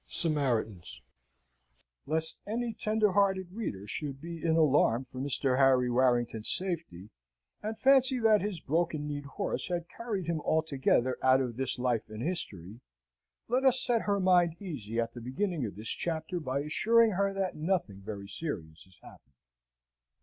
Samaritans Lest any tender hearted reader should be in alarm for Mr. Harry Warrington's safety, and fancy that his broken kneed horse had carried him altogether out of this life and history, let us set her mind easy at the beginning of this chapter by assuring her that nothing very serious has happened.